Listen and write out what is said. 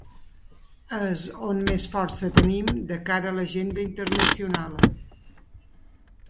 És on més força tenim de cara a l’agenda internacional.